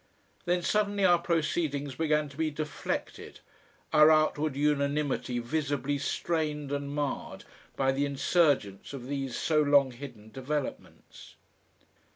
Then suddenly our proceedings began to be deflected, our outward unanimity visibly strained and marred by the insurgence of these so long hidden developments.